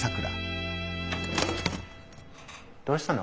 どうしたの？